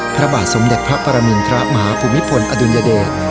พระบาทสมเด็จพระปรมินทรมาฮภูมิพลอดุลยเดช